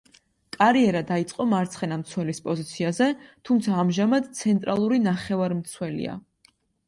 კარიერა დაიწყო მარცხენა მცველის პოზიციაზე, თუმცა ამჟამად ცენტრალური ნახევარმცველია.